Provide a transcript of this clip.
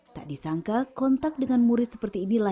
tak disangka kontak dengan murid seperti inilah